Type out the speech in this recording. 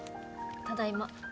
ただいま。